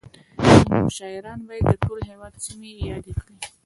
زموږ شاعران باید د ټول هېواد سیمې یادې کړي